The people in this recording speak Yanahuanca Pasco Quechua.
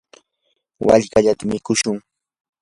wallkallata mikushun.